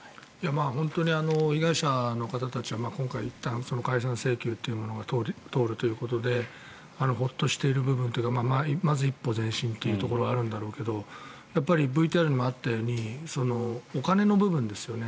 本当に被害者の方たちは解散請求というのが通るということでホッとしている部分というかまず一歩前進というところはあるんだろうけどＶＴＲにもあったようにお金の部分ですよね。